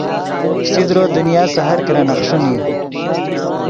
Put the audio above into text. فسیدرو دنیا سے ہر کرن اخݰین ای